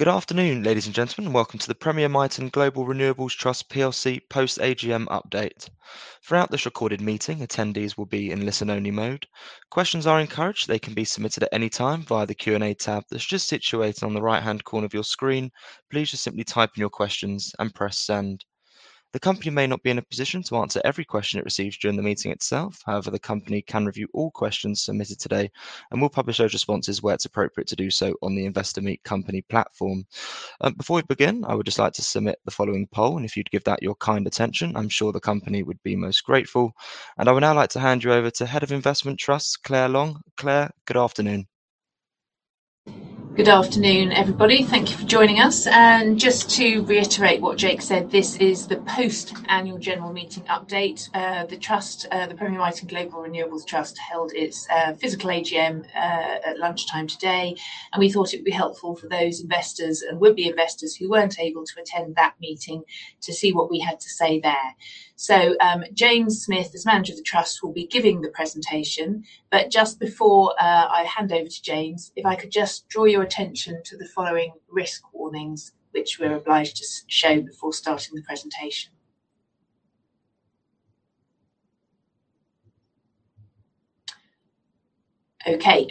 Good afternoon, ladies and gentlemen, and welcome to the Premier Miton Global Renewables Trust plc post AGM update. Throughout this recorded meeting, attendees will be in listen-only mode. Questions are encouraged. They can be submitted at any time via the Q&A tab that's just situated on the right-hand corner of your screen. Please just simply type in your questions and press send. The company may not be in a position to answer every question it receives during the meeting itself. However, the company can review all questions submitted today and will publish those responses where it's appropriate to do so on the Investor Meet Company platform. Before we begin, I would just like to submit the following poll, and if you'd give that your kind attention, I'm sure the company would be most grateful. I would now like to hand you over to Head of Investment Trusts, Claire Long. Claire, good afternoon. Good afternoon, everybody. Thank you for joining us. Just to reiterate what Jake said, this is the post Annual General Meeting update. The trust, the Premier Miton Global Renewables Trust held its physical AGM at lunchtime today, and we thought it would be helpful for those investors and would-be investors who weren't able to attend that meeting to see what we had to say there. James Smith, as Manager of the Trust, will be giving the presentation. Just before I hand over to James, if I could just draw your attention to the following risk warnings, which we're obliged to show before starting the presentation.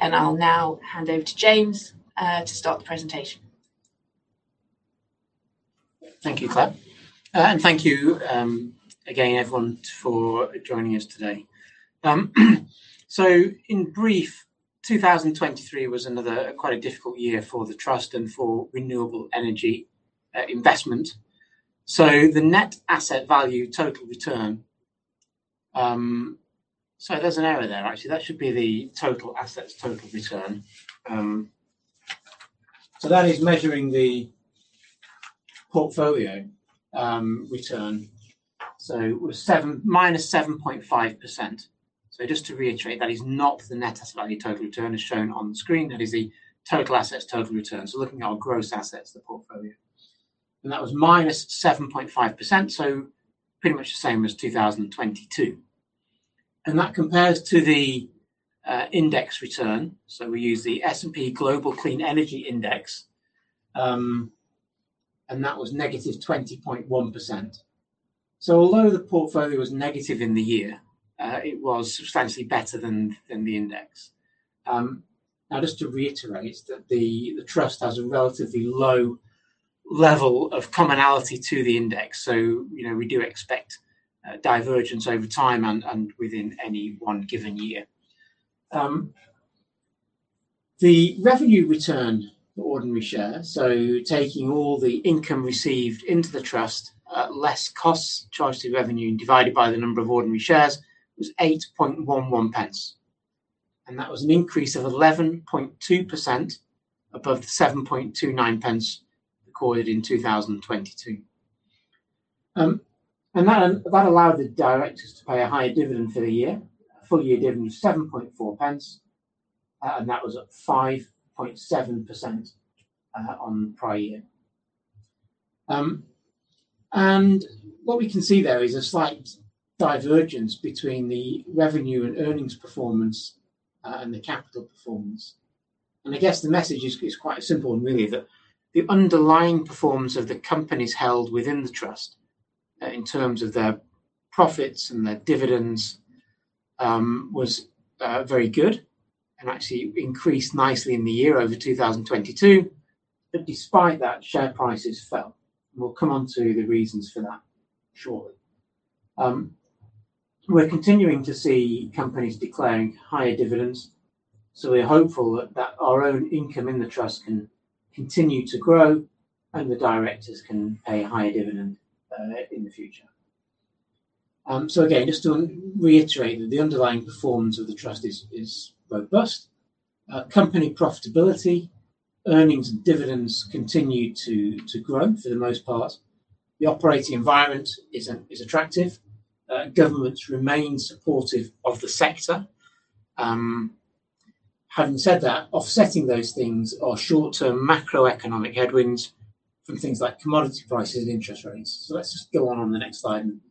I'll now hand over to James to start the presentation. Thank you, Claire. Thank you again, everyone for joining us today. In brief, 2023 was another quite a difficult year for the trust and for renewable energy investment. The net asset value total return. There's an error there, actually. That should be the total assets total return. That is measuring the portfolio return, so, -7.5%. Just to reiterate, that is not the net asset value total return as shown on screen. That is the total assets total return. Looking at our gross assets, the portfolio, and that was -7.5%, pretty much the same as 2022. That compares to the index return. We use the S&P Global Clean Energy Index, and that was -20.1%. Although the portfolio was negative in the year, it was substantially better than the index. Now just to reiterate that the trust has a relatively low level of commonality to the index. You know, we do expect divergence over time and within any one given year. The revenue return for ordinary shares, so taking all the income received into the trust at less costs charged to revenue and divided by the number of ordinary shares was 0.0811. That was an increase of 11.2% above the 0.0729 recorded in 2022. That allowed the Directors to pay a higher dividend for the year. Full year dividend was 0.074, and that was at 5.7% on prior year. What we can see there is a slight divergence between the revenue and earnings performance and the capital performance. I guess the message is quite simple and really that the underlying performance of the companies held within the trust in terms of their profits and their dividends was very good and actually increased nicely in the year over 2022. Despite that, share prices fell, and we'll come on to the reasons for that shortly. We're continuing to see companies declaring higher dividends, so we're hopeful that our own income in the trust can continue to grow and the directors can pay a higher dividend in the future. Again, just to reiterate that the underlying performance of the trust is robust. Company profitability, earnings and dividends continue to grow for the most part. The operating environment is attractive. Governments remain supportive of the sector. Having said that, offsetting those things are short-term macroeconomic headwinds from things like commodity prices and interest rates. Let's just go on the next slide and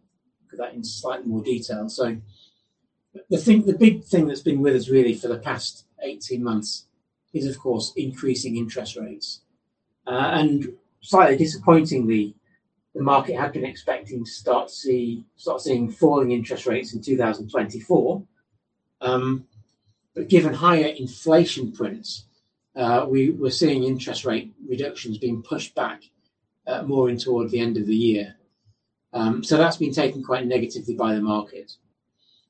look at that in slightly more detail. The big thing that's been with us really for the past 18 months is of course increasing interest rates. Slightly disappointingly, the market had been expecting to start seeing falling interest rates in 2024. Given higher inflation prints, we're seeing interest rate reductions being pushed back more in toward the end of the year. That's been taken quite negatively by the market.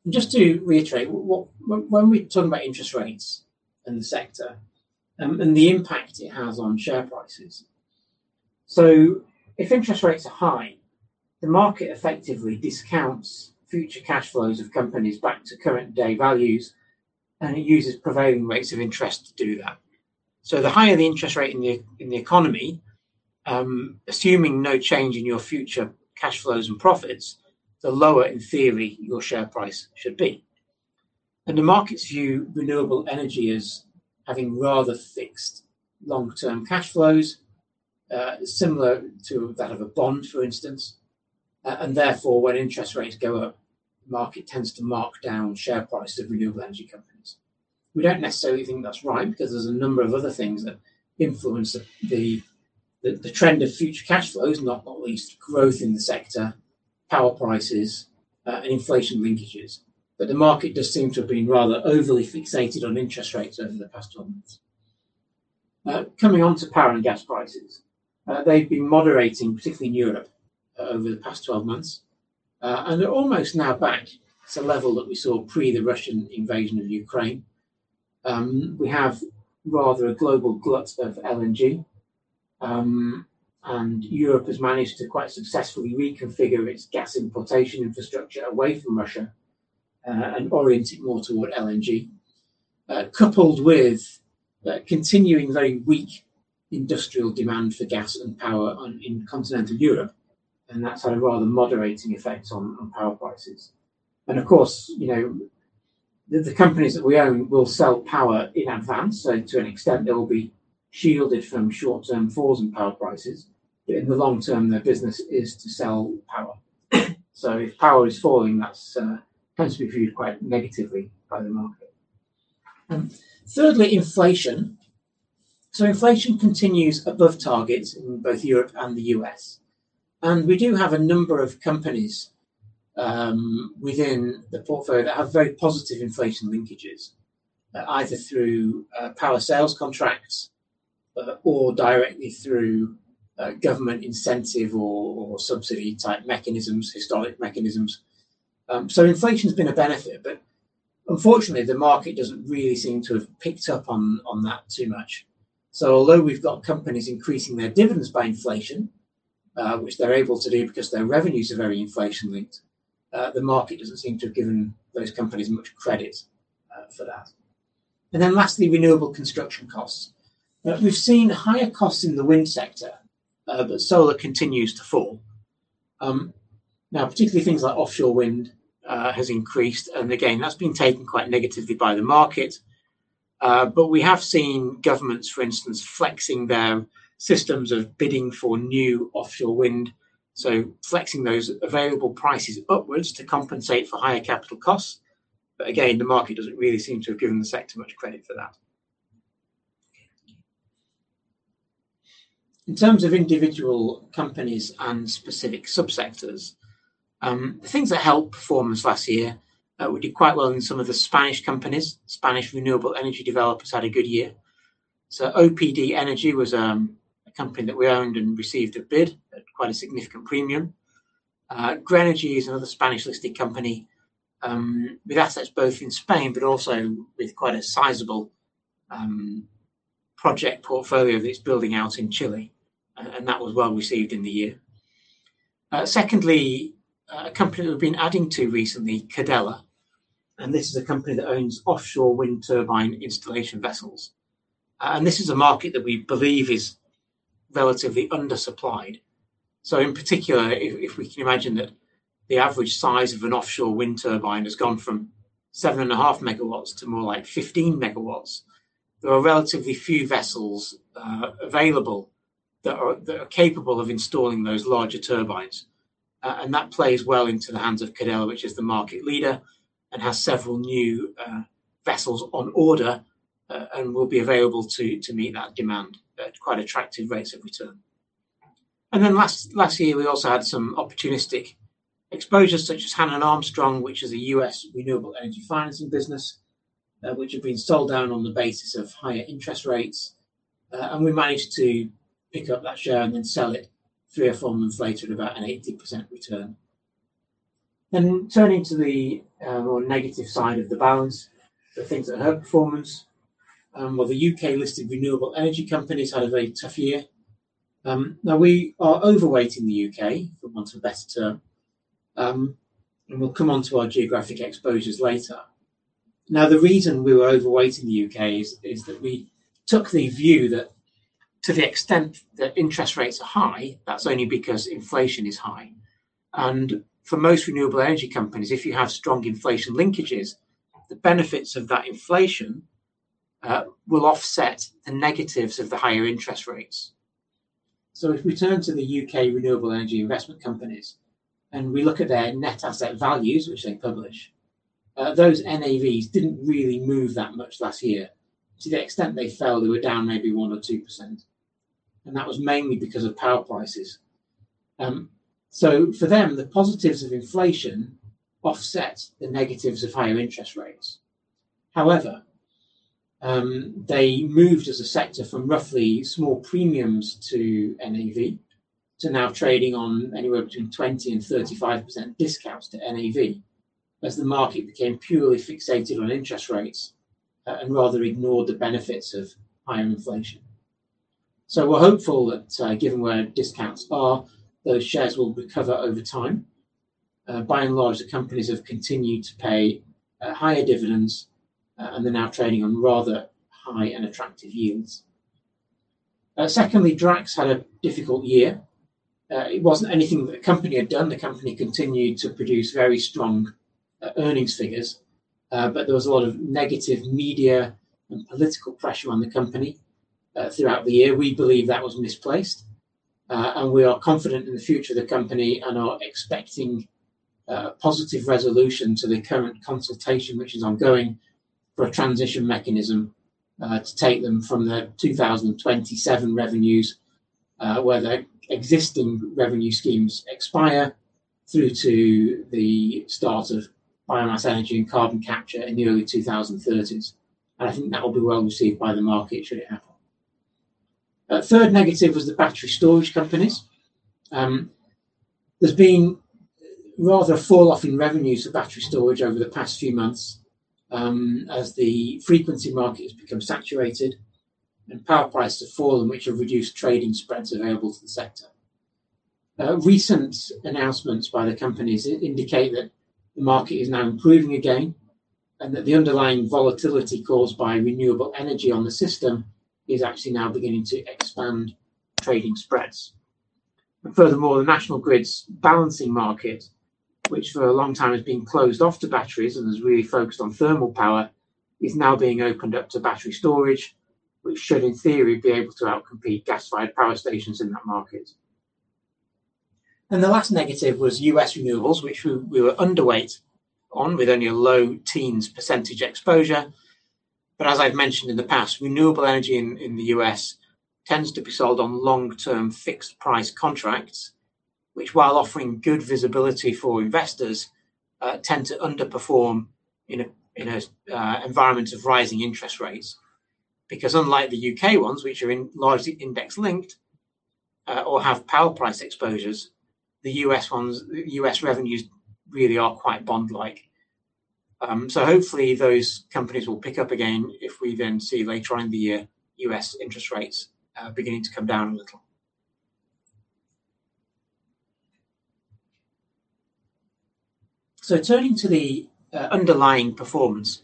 Just to reiterate, when we talk about interest rates and the sector, and the impact it has on share prices. If interest rates are high, the market effectively discounts future cash flows of companies back to current day values, and it uses prevailing rates of interest to do that. The higher the interest rate in the economy, assuming no change in your future cash flows and profits, the lower in theory your share price should be. The market's view, renewable energy is having rather fixed long-term cash flows, similar to that of a bond, for instance. Therefore, when interest rates go up, the market tends to mark down share price of renewable energy companies. We don't necessarily think that's right because there's a number of other things that influence the trend of future cash flows, not least growth in the sector, power prices, and inflation linkages. The market does seem to have been rather overly fixated on interest rates over the past 12 months. Coming on to power and gas prices. They've been moderating, particularly in Europe, over the past 12 months. They're almost now back to the level that we saw pre the Russian invasion of Ukraine. We have rather a global glut of LNG. Europe has managed to quite successfully reconfigure its gas importation infrastructure away from Russia, and orient it more toward LNG. Coupled with the continuing very weak industrial demand for gas and power in continental Europe, and that's had a rather moderating effect on power prices. Of course, you know, the companies that we own will sell power in advance. To an extent, they'll be shielded from short-term falls in power prices. In the long term, their business is to sell power. If power is falling, that tends to be viewed quite negatively by the market. Thirdly, inflation. Inflation continues above targets in both Europe and the U.S. We do have a number of companies within the portfolio that have very positive inflation linkages, either through power sales contracts, or directly through government incentive or subsidy-type mechanisms, historic mechanisms. Inflation has been a benefit, but unfortunately, the market doesn't really seem to have picked up on that too much. Although we've got companies increasing their dividends by inflation, which they're able to do because their revenues are very inflation linked, the market doesn't seem to have given those companies much credit for that. Lastly, renewable construction costs we've seen higher costs in the wind sector, but solar continues to fall. Now, particularly things like offshore wind has increased, and again, that's been taken quite negatively by the market. We have seen governments, for instance, flexing their systems of bidding for new offshore wind, so flexing those available prices upwards to compensate for higher capital costs. Again, the market doesn't really seem to have given the sector much credit for that. In terms of individual companies and specific sub-sectors, the things that helped performance last year, we did quite well in some of the Spanish companies. Spanish renewable energy developers had a good year. Opdenergy was a company that we owned and received a bid at quite a significant premium. Grenergy is another Spanish-listed company, with assets both in Spain, but also with quite a sizable project portfolio that it's building out in Chile, and that was well received in the year. Secondly, a company that we've been adding to recently, Cadeler, and this is a company that owns offshore wind turbine installation vessels. And this is a market that we believe is relatively undersupplied. In particular, if we can imagine that the average size of an offshore wind turbine has gone from 7.5 MW to more like 15 MW, there are relatively few vessels available that are capable of installing those larger turbines. That plays well into the hands of Cadeler, which is the market leader and has several new vessels on order, and will be available to meet that demand at quite attractive rates of return. Last year, we also had some opportunistic exposures such as Hannon Armstrong, which is a U.S. renewable energy financing business, which had been sold down on the basis of higher interest rates. We managed to pick up that share and then sell it three or four months later at about an 80% return. Turning to the more negative side of the balance, the things that hurt performance. Well, the U.K. Iisted renewable energy companies had a very tough year. Now we are overweight in the U.K., for want of a better term, and we'll come on to our geographic exposures later. Now, the reason we were overweight in the U.K. is that we took the view that to the extent that interest rates are high, that's only because inflation is high. For most renewable energy companies, if you have strong inflation linkages, the benefits of that inflation will offset the negatives of the higher interest rates. If we turn to the U.K. renewable energy investment companies, and we look at their net asset values, which they publish, those NAVs didn't really move that much last year. To the extent they fell, they were down maybe 1% or 2%, and that was mainly because of power prices. For them, the positives of inflation offset the negatives of higher interest rates. However, they moved as a sector from roughly small premiums to NAV to now trading on anywhere between 20%-35% discounts to NAV as the market became purely fixated on interest rates and rather ignored the benefits of higher inflation. We're hopeful that, given where discounts are, those shares will recover over time. By and large, the companies have continued to pay higher dividends, and they're now trading on rather high and attractive yields. Secondly, Drax had a difficult year. It wasn't anything that the company had done. The company continued to produce very strong earnings figures. There was a lot of negative media and political pressure on the company. Throughout the year, we believe that was misplaced, and we are confident in the future of the company and are expecting positive resolution to the current consultation which is ongoing for a transition mechanism, to take them from the 2027 revenues, where their existing revenue schemes expire through to the start of biomass energy and carbon capture in the early 2030s. I think that will be well received by the market should it happen. A third negative was the battery storage companies. There's been rather a fall off in revenues for battery storage over the past few months, as the frequency market has become saturated and power prices have fallen, which have reduced trading spreads available to the sector. Recent announcements by the companies indicate that the market is now improving again and that the underlying volatility caused by renewable energy on the system is actually now beginning to expand trading spreads. Furthermore, the National Grid's balancing market, which for a long time has been closed off to batteries and has really focused on thermal power, is now being opened up to battery storage, which should, in theory, be able to outcompete gas-fired power stations in that market. The last negative was U.S. renewables, which we were underweight on with only a low teens percentage exposure. As I've mentioned in the past, renewable energy in the U.S. tends to be sold on long-term fixed price contracts, which while offering good visibility for investors, tend to underperform in an environment of rising interest rates. Because unlike the U.K. ones, which are largely index linked, or have power price exposures, the U.S. ones, U.S. revenues really are quite bond-like. Hopefully those companies will pick up again if we then see later in the year U.S. interest rates beginning to come down a little. Turning to the underlying performance.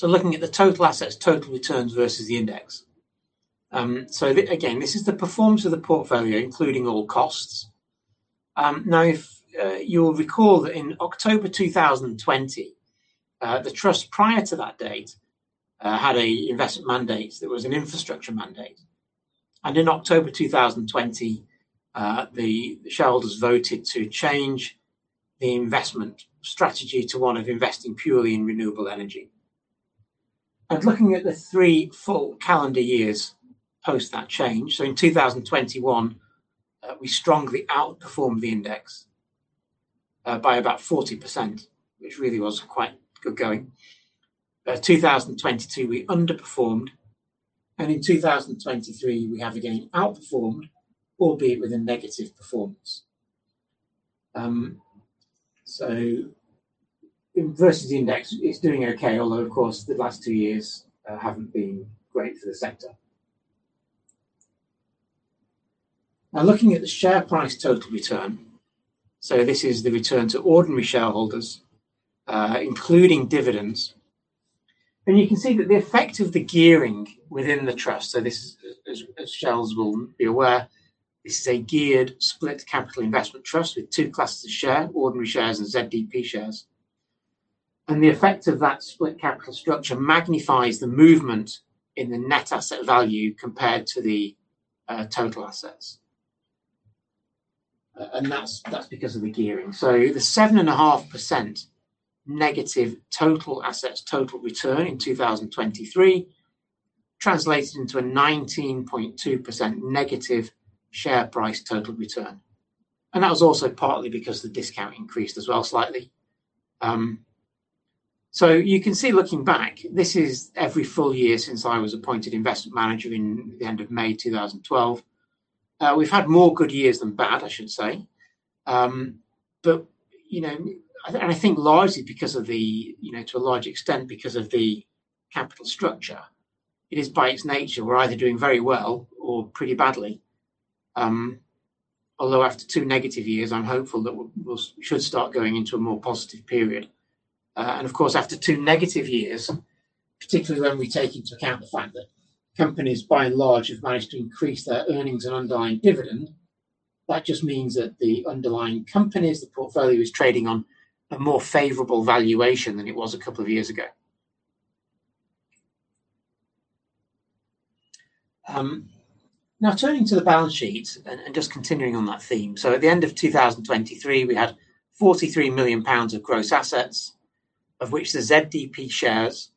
Looking at the total assets, total returns versus the index. Again, this is the performance of the portfolio, including all costs. Now if you'll recall that in October 2020, the trust prior to that date had an investment mandate that was an infrastructure mandate. In October 2020, the shareholders voted to change the investment strategy to one of investing purely in renewable energy. Looking at the three full calendar years post that change, so in 2021, we strongly outperformed the index by about 40%, which really was quite good going. 2022, we underperformed, and in 2023, we have again outperformed, albeit with a negative performance. Versus the index, it's doing okay, although, of course, the last two years haven't been great for the sector. Now looking at the share price total return, so this is the return to ordinary shareholders including dividends. You can see that the effect of the gearing within the trust, so this is, as shareholders will be aware, this is a geared split capital investment trust with two classes of share, ordinary shares and ZDP shares. The effect of that split capital structure magnifies the movement in the net asset value compared to the total assets. That's because of the gearing. The 7.5% negative total assets total return in 2023 translated into a 19.2% negative share price total return. That was also partly because the discount increased as well slightly. You can see looking back, this is every full year since I was appointed investment manager in the end of May 2012. We've had more good years than bad, I should say. You know, and I think largely because of the you know, to a large extent because of the capital structure, it is by its nature, we're either doing very well or pretty badly. Although after two negative years, I'm hopeful that we should start going into a more positive period. Of course, after two negative years, particularly when we take into account the fact that companies by and large have managed to increase their earnings and underlying dividend, that just means that the underlying companies, the portfolio is trading on a more favorable valuation than it was a couple of years ago. Now turning to the balance sheet and just continuing on that theme. At the end of 2023, we had 43 million pounds of gross assets, of which the ZDP shares,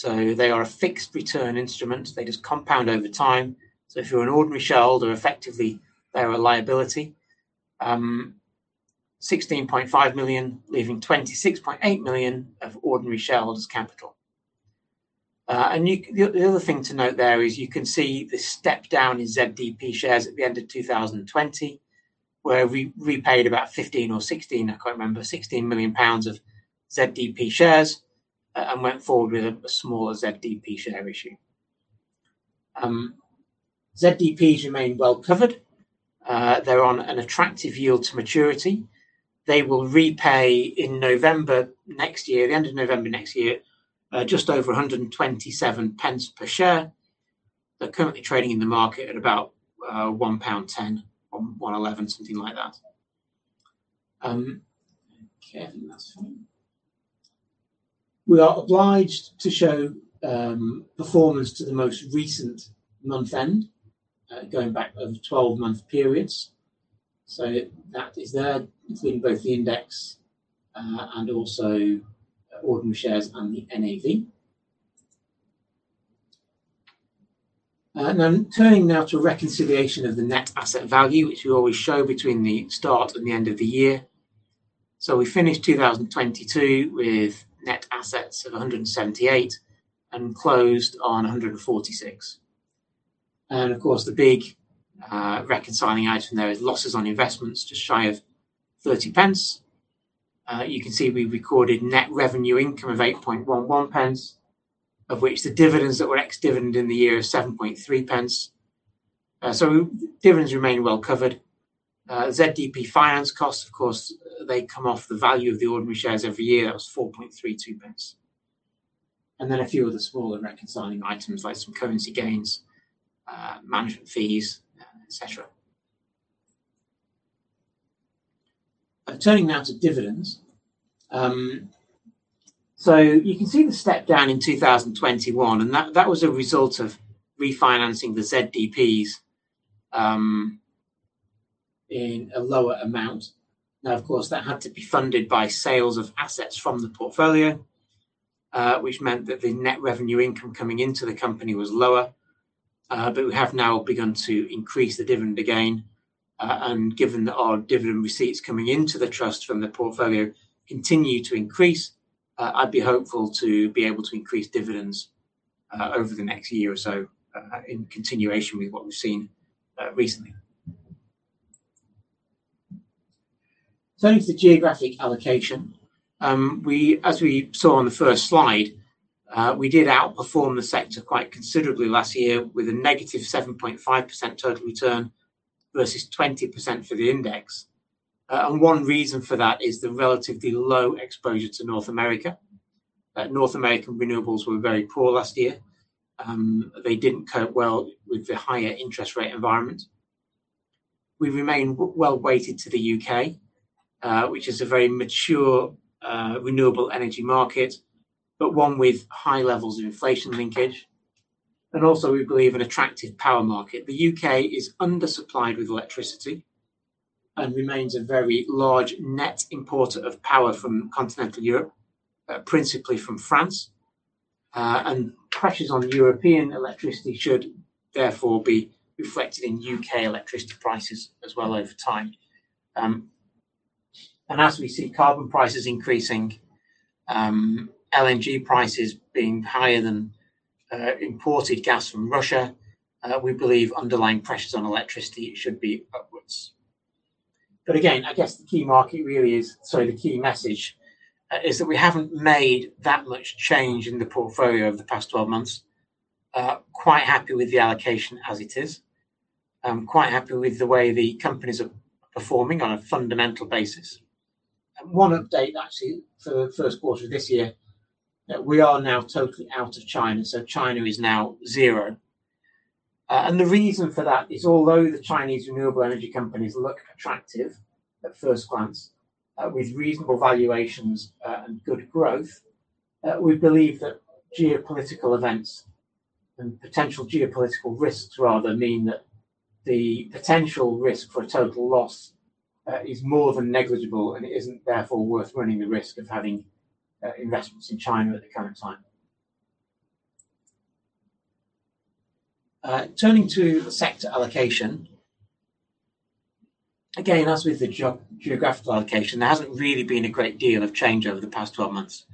so they are a fixed return instrument. They just compound over time. If you're an ordinary shareholder, effectively they're a liability. 16.5 million, leaving 26.8 million of ordinary shareholders' capital. You can see the step down in ZDP shares at the end of 2020, where we repaid about 15 or 16, I can't remember, 16 million pounds of ZDP shares and went forward with a smaller ZDP share issue. ZDPs remain well covered. They're on an attractive yield to maturity. They will repay in November next year, the end of November next year, just over 1.27 per share. They're currently trading in the market at about 1.10 pound or 1.11, something like that. Okay. That's fine. We are obliged to show performance to the most recent month end, going back over 12-month periods. That is there between both the index and also ordinary shares and the NAV. Now turning to reconciliation of the net asset value, which we always show between the start and the end of the year. We finished 2022 with net assets of 178 and closed on 146. Of course, the big reconciling item there is losses on investments just shy of 0.30. You can see we recorded net revenue income of 0.0811, of which the dividends that were ex-dividend in the year, 0.073. Dividends remain well covered. ZDP finance costs, of course, they come off the value of the ordinary shares every year. That was 0.0432. Then a few other smaller reconciling items like some currency gains, management fees, etc. Turning now to dividends. You can see the step down in 2021, and that was a result of refinancing the ZDPs in a lower amount. Now of course, that had to be funded by sales of assets from the portfolio, which meant that the net revenue income coming into the company was lower. We have now begun to increase the dividend again. Given that our dividend receipts coming into the trust from the portfolio continue to increase, I'd be hopeful to be able to increase dividends over the next year or so, in continuation with what we've seen recently. Turning to the geographic allocation, as we saw on the first slide, we did outperform the sector quite considerably last year with a -7.5% total return versus 20% for the index. One reason for that is the relatively low exposure to North America. North American renewables were very poor last year. They didn't cope well with the higher interest rate environment. We remain well weighted to the U.K., which is a very mature, renewable energy market, but one with high levels of inflation linkage, and also we believe an attractive power market. The U.K. is undersupplied with electricity and remains a very large net importer of power from continental Europe, principally from France. Pressures on European electricity should therefore be reflected in U.K. electricity prices as well over time. As we see carbon prices increasing, LNG prices being higher than imported gas from Russia, we believe underlying pressures on electricity should be upwards. The key message is that we haven't made that much change in the portfolio over the past 12 months. Quite happy with the allocation as it is. I'm quite happy with the way the companies are performing on a fundamental basis. One update actually for the first quarter of this year, that we are now totally out of China, so China is now zero. And the reason for that is although the Chinese renewable energy companies look attractive at first glance, with reasonable valuations, and good growth, we believe that geopolitical events and potential geopolitical risks rather mean that the potential risk for a total loss is more than negligible and it isn't therefore worth running the risk of having investments in China at the current time. Turning to sector allocation. Again, as with the geographical allocation, there hasn't really been a great deal of change over the past 12 months.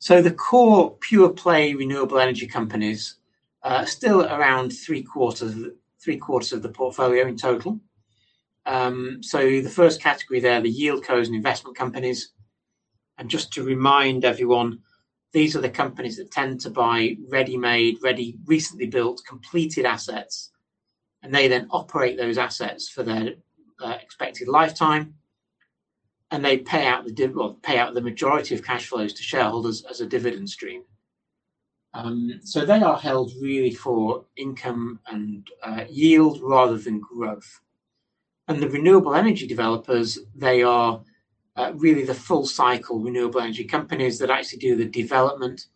So the core pure-play renewable energy companies are still around three-quarters of the portfolio in total. So the first category there, the Yieldcos and investment companies. Just to remind everyone, these are the companies that tend to buy ready-made, recently built, completed assets, and they then operate those assets for their expected lifetime, and they pay out the majority of cash flows to shareholders as a dividend stream. So they are held really for income and yield rather than growth. The renewable energy developers, they are really the full cycle renewable energy companies that actually do the development.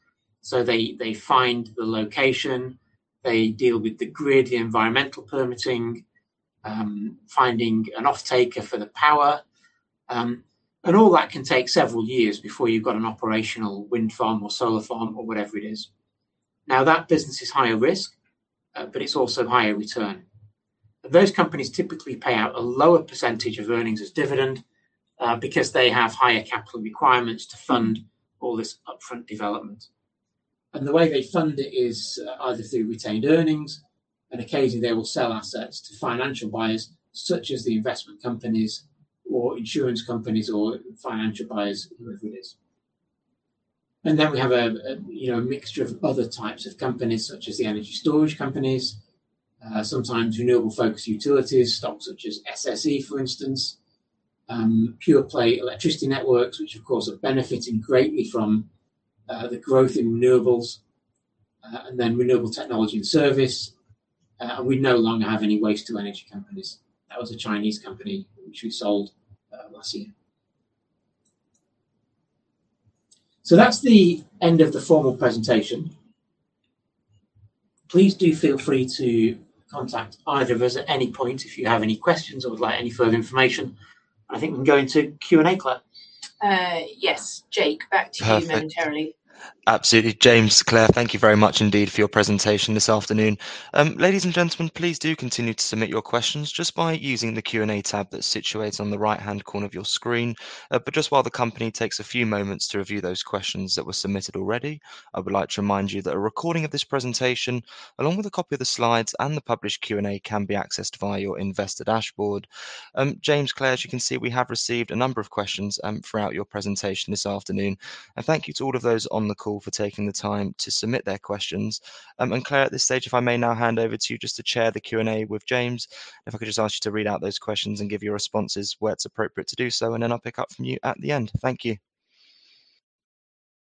They find the location, they deal with the grid, the environmental permitting, finding an offtaker for the power. All that can take several years before you've got an operational wind farm or solar farm or whatever it is. Now, that business is higher risk, but it's also higher return. Those companies typically pay out a lower percentage of earnings as dividend, because they have higher capital requirements to fund all this upfront development. The way they fund it is either through retained earnings, and occasionally they will sell assets to financial buyers such as the investment companies or insurance companies or financial buyers, whoever it is. Then we have you know, mixture of other types of companies such as the energy storage companies, sometimes renewable focused utilities, stocks such as SSE, for instance, pure-play electricity networks, which of course are benefiting greatly from the growth in renewables. And then renewable technology and service. We no longer have any waste-to-energy companies. That was a Chinese company which we sold last year. That's the end of the formal presentation. Please do feel free to contact either of us at any point if you have any questions or would like any further information. I think we can go into Q&A, Claire. Yes. Jake, back to you momentarily. Perfect. Absolutely. James, Claire, thank you very much indeed for your presentation this afternoon. Ladies and gentlemen, please do continue to submit your questions just by using the Q&A tab that's situated on the right-hand corner of your screen. Just while the company takes a few moments to review those questions that were submitted already, I would like to remind you that a recording of this presentation, along with a copy of the slides and the published Q&A, can be accessed via your investor dashboard. James, Claire, as you can see, we have received a number of questions throughout your presentation this afternoon. Thank you to all of those on the call for taking the time to submit their questions. Claire, at this stage, if I may now hand over to you just to chair the Q&A with James. If I could just ask you to read out those questions and give your responses where it's appropriate to do so, and then I'll pick up from you at the end. Thank you.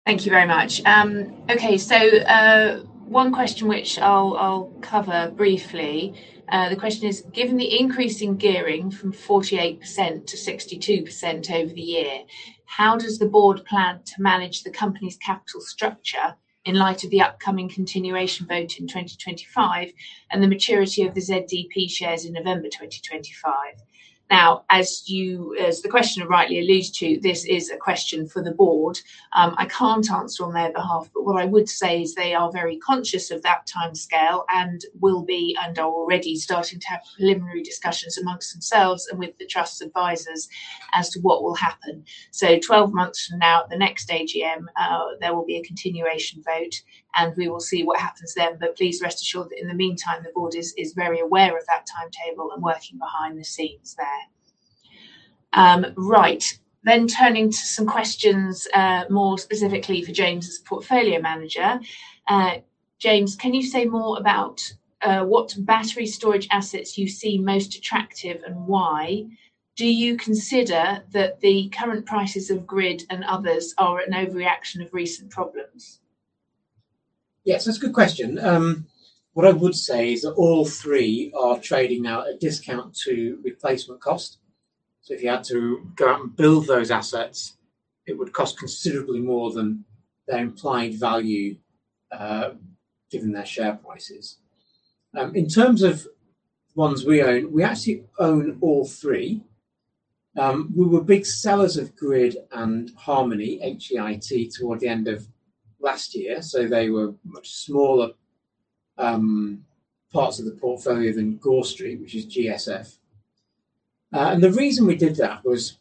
Thank you very much. Okay. One question which I'll cover briefly. The question is, given the increase in gearing from 48%-62% over the year, how does the board plan to manage the company's capital structure in light of the upcoming continuation vote in 2025 and the maturity of the ZDP shares in November 2025? Now, as the questioner rightly alludes to, this is a question for the Board. I can't answer on their behalf, but what I would say is they are very conscious of that timescale and will be, and are already starting to have preliminary discussions amongst themselves and with the trust's advisors as to what will happen. 12 months from now, at the next AGM, there will be a continuation vote, and we will see what happens then. Please rest assured that in the meantime, the Board is very aware of that timetable and working behind the scenes there. Turning to some questions, more specifically for James as a Portfolio Manager. James, can you say more about what battery storage assets you see most attractive and why? Do you consider that the current prices of Grid and others are an overreaction of recent problems? Yes, that's a good question. What I would say is that all three are trading now at a discount to replacement cost. If you had to go out and build those assets, it would cost considerably more than their implied value, given their share prices. In terms of ones we own, we actually own all three. We were big sellers of Grid and Harmony, HEIT, toward the end of last year, so they were much smaller parts of the portfolio than Gore Street, which is GSF. The reason we did that was,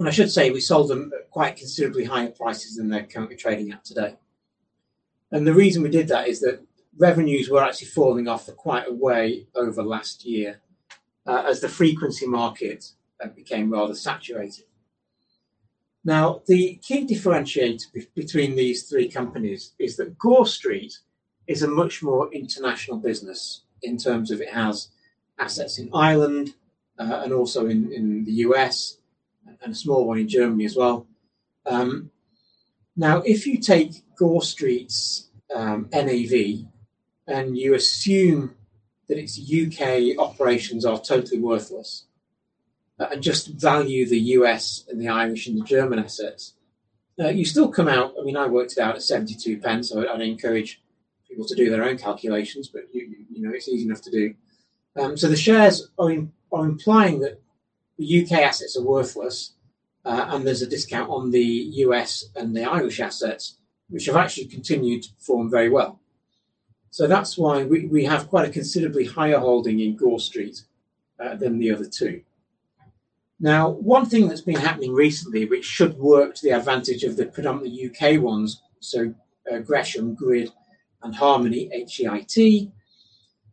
I should say, we sold them at quite considerably higher prices than they're currently trading at today. The reason we did that is that revenues were actually falling off for quite a while over last year, as the frequency market became rather saturated. Now, the key differentiator between these three companies is that Gore Street is a much more international business in terms of it has assets in Ireland and also in the U.S., and a small one in Germany as well. Now, if you take Gore Street's NAV, and you assume that its U.K. operations are totally worthless and just value the U.S., and the Irish, and the German assets, you still come out. I mean, I worked it out at 0.72, so I'd encourage people to do their own calculations, but you know, it's easy enough to do. The shares are implying that the U.K. assets are worthless and there's a discount on the U.S. and the Irish assets, which have actually continued to perform very well. That's why we have quite a considerably higher holding in Gore Street than the other two. Now, one thing that's been happening recently which should work to the advantage of the predominantly U.K. ones, Gresham, Gore, and Harmony, HEIT,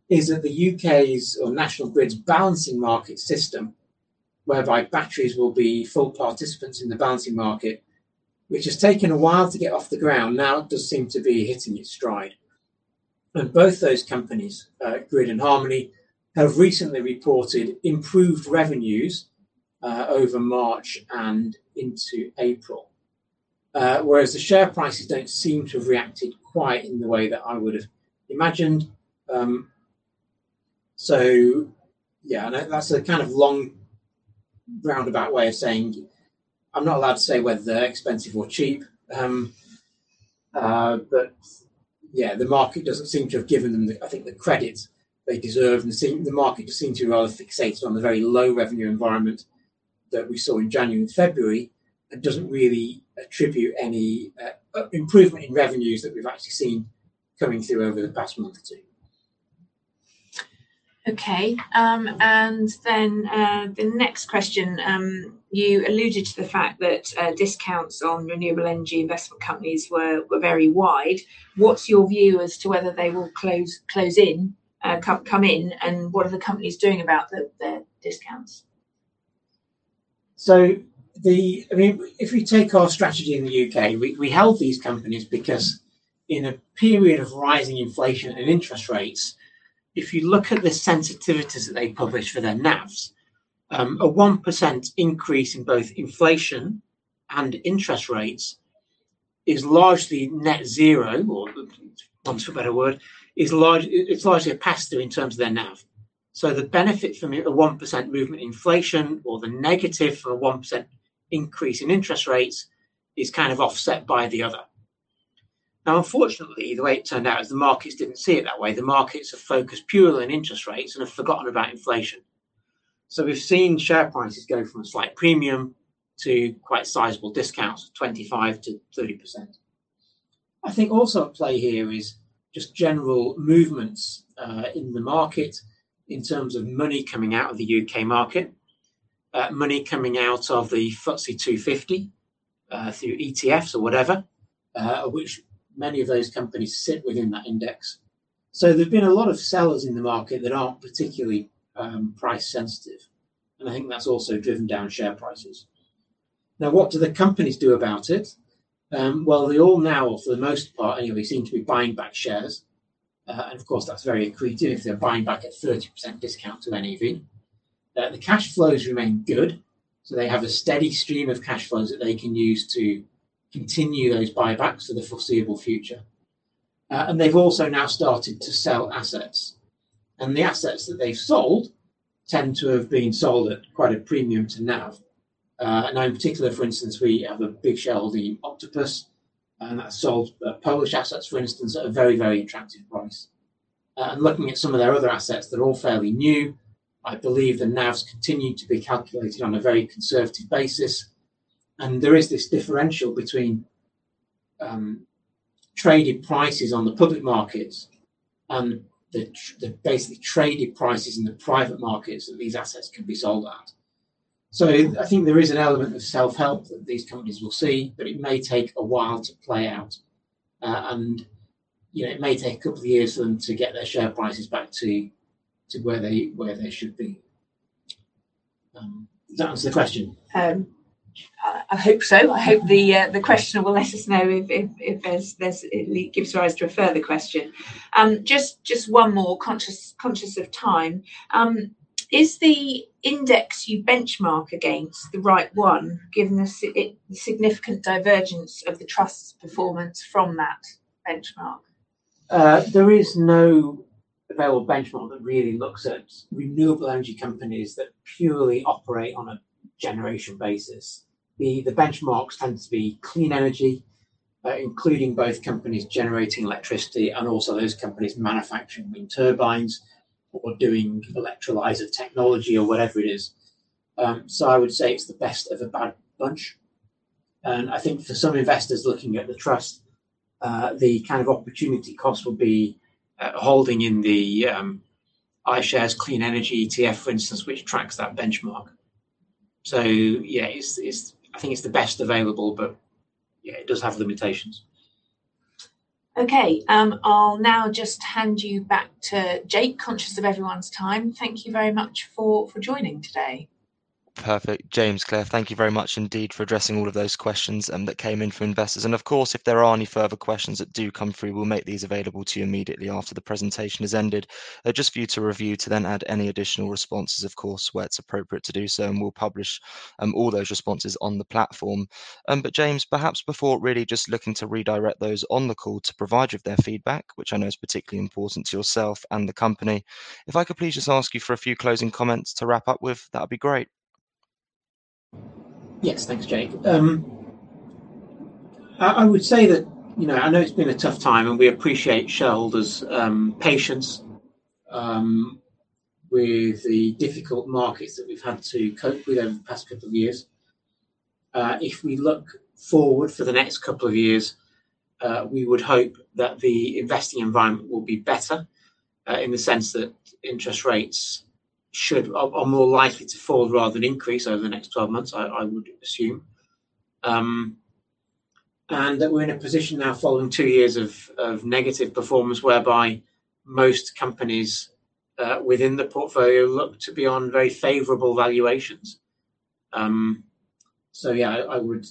is that the U.K.'s or National Grid's balancing market system, whereby batteries will be full participants in the balancing market, which has taken a while to get off the ground, now does seem to be hitting its stride. Both those companies, Gore and Harmony, have recently reported improved revenues over March and into April. Whereas the share prices don't seem to have reacted quite in the way that I would have imagined. Yeah. That's a kind of long, roundabout way of saying I'm not allowed to say whether they're expensive or cheap. Yeah. The market doesn't seem to have given them the credit they deserve, I think, and the market just seemed to be rather fixated on the very low revenue environment that we saw in January and February, and doesn't really attribute any improvement in revenues that we've actually seen coming through over the past month or two. Okay. The next question. You alluded to the fact that discounts on renewable energy investment companies were very wide. What's your view as to whether they will close in, come in, and what are the companies doing about the discounts? I mean, if we take our strategy in the U.K., we hold these companies because in a period of rising inflation and interest rates, if you look at the sensitivities that they publish for their NAVs, a 1% increase in both inflation and interest rates is largely net zero or, for want of a better word, largely. It's largely a pass through in terms of their NAV. The benefit from it, the 1% movement in inflation or the negative for a 1% increase in interest rates is kind of offset by the other. Now unfortunately, the way it turned out is the markets didn't see it that way. The markets have focused purely on interest rates and have forgotten about inflation. We've seen share prices go from a slight premium to quite sizable discounts of 25%-30%. I think also at play here is just general movements in the market in terms of money coming out of the U.K. market, money coming out of the FTSE 250, through ETFs or whatever, of which many of those companies sit within that index. There's been a lot of sellers in the market that aren't particularly price sensitive, and I think that's also driven down share prices. Now, what do the companies do about it? Well, they all now, for the most part anyway, seem to be buying back shares. And of course, that's very accretive if they're buying back at 30% discount to NAV. The cash flows remain good, so they have a steady stream of cash flows that they can use to continue those buybacks for the foreseeable future. They've also now started to sell assets, and the assets that they've sold tend to have been sold at quite a premium to NAV. Now in particular, for instance, we have a big shareholder, Octopus, that sold Polish assets, for instance, at a very, very attractive price. Looking at some of their other assets, they're all fairly new. I believe the NAVs continue to be calculated on a very conservative basis, and there is this differential between traded prices on the public markets and the basically traded prices in the private markets that these assets could be sold at. I think there is an element of self-help that these companies will see, but it may take a while to play out. You know, it may take a couple of years for them to get their share prices back to where they should be. Does that answer the question? I hope so. I hope the questioner will let us know if there's it gives rise to a further question. Just one more, conscious of time. Is the index you benchmark against the right one given the significant divergence of the trust's performance from that benchmark? There is no available benchmark that really looks at renewable energy companies that purely operate on a generation basis. The benchmarks tend to be clean energy, including both companies generating electricity and also those companies manufacturing wind turbines or doing electrolyzer technology or whatever it is. I would say it's the best of a bad bunch. I think for some investors looking at the trust, the kind of opportunity cost will be holding in the iShares Clean Energy ETF, for instance, which tracks that benchmark. I think it's the best available, but yeah, it does have limitations. Okay. I'll now just hand you back to Jake. Conscious of everyone's time. Thank you very much for joining today. Perfect. James, Claire, thank you very much indeed for addressing all of those questions that came in from investors. Of course, if there are any further questions that do come through, we'll make these available to you immediately after the presentation has ended, just for you to review to then add any additional responses of course, where it's appropriate to do so, and we'll publish all those responses on the platform. James, perhaps before really just looking to redirect those on the call to provide you with their feedback, which I know is particularly important to yourself and the company, if I could please just ask you for a few closing comments to wrap up with, that'd be great. Yes. Thanks, Jake. I would say that, you know, I know it's been a tough time, and we appreciate shareholders' patience with the difficult markets that we've had to cope with over the past couple of years. If we look forward for the next couple of years, we would hope that the investing environment will be better, in the sense that interest rates should or more likely to fall rather than increase over the next 12 months, I would assume. And that we're in a position now following two years of negative performance whereby most companies within the portfolio look to be on very favorable valuations. Yeah, I would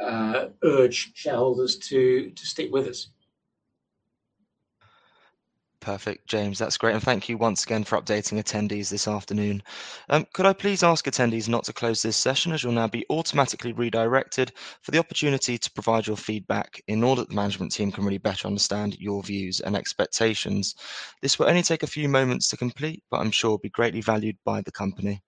urge shareholders to stick with us. Perfect, James. That's great. Thank you once again for updating attendees this afternoon. Could I please ask attendees not to close this session as you'll now be automatically redirected for the opportunity to provide your feedback in order that the management team can really better understand your views and expectations. This will only take a few moments to complete, but I'm sure will be greatly valued by the company.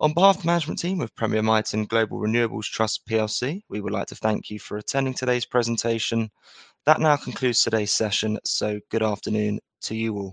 On behalf of the management team of Premier Miton Global Renewables Trust plc, we would like to thank you for attending today's presentation. That now concludes today's session. Good afternoon to you all.